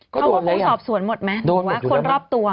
เขาพูดความสอบสวนหมดไหมหรือคนรอบตัว